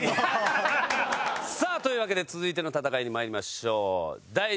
さあというわけで続いての戦いに参りましょう。